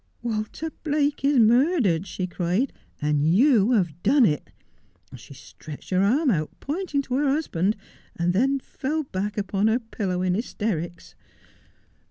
" "Walter Blake is murdered," she cried, " and you have done it." She stretched her arm out, pointing to her husband, and then fell back upon her pillow in hysterics.